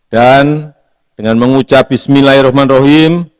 dan dengan mengucap bismillahirrahmanirrahim